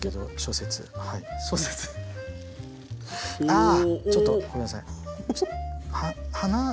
あちょっとごめんなさい。